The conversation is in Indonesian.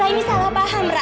ra ra ini salah paham ra